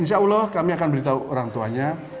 insya allah kami akan beritahu orang tuanya